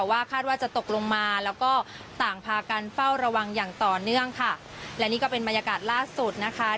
คาดว่าจะตกลงมาแล้วก็ต่างพากันเฝ้าระวังอย่างต่อเนื่องค่ะและนี่ก็เป็นบรรยากาศล่าสุดนะคะ